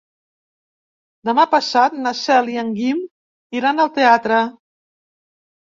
Demà passat na Cel i en Guim iran al teatre.